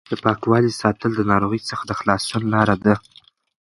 د پاکوالي ساتل د ناروغۍ څخه د خلاصون لار ده.